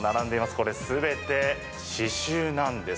これ、すべて刺しゅうなんです。